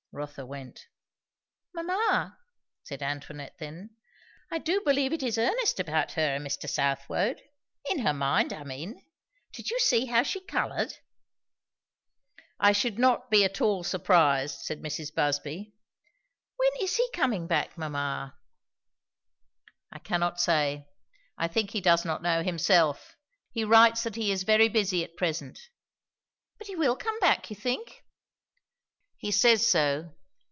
Rotha went. "Mamma," said Antoinette then, "I do believe it is earnest about her and Mr. Southwode. In her mind, I mean. Did you see how she coloured?" "I should not be at all surprised," said, Mrs. Busby. "When is he coming back, mamma?" "I cannot say. I think he does not know himself. He writes that he is very busy at present." "But he will come back, you think?" "He says so.